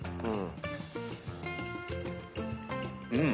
うん！